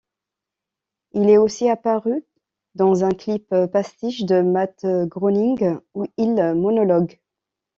Il est aussi apparu dans un clip pastiche de Matt Groening où il monologue.